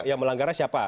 yang melanggaran siapa